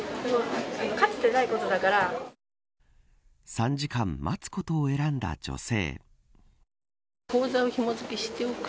３時間待つことを選んだ女性。